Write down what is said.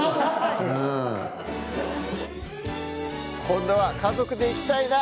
今度は家族で行きたいな！